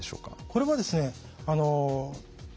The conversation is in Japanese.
これはですね